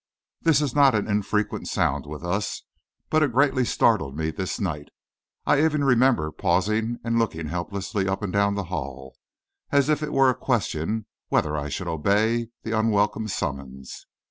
This is not an infrequent sound with us, but it greatly startled me this night. I even remember pausing and looking helplessly up and down the hall, as if it were a question whether I should obey the unwelcome summons.